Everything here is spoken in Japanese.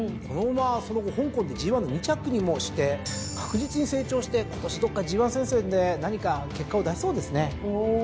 この馬はその後香港でＧⅠの２着にもして確実に成長して今年どっかＧⅠ戦線で何か結果を出せそうですね。